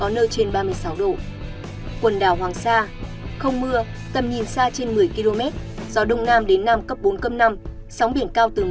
quần đảo hoàng sa không mưa tầm nhìn xa trên một mươi km gió đông nam đến nam cấp bốn cấp năm sóng biển cao từ một hai m